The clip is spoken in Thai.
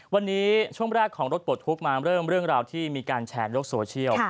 วันนี้ช่วงแรกของรถปลดทุกข์มาเริ่มเรื่องราวที่มีการแชร์โลกโซเชียล